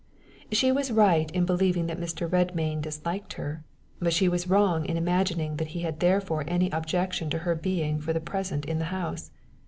She was right in believing that Mr. Redmain disliked her, but she was wrong in imagining that he had therefore any objection to her being for the present in the house.